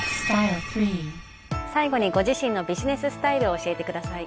最後にご自身のビジネススタイルを教えてください。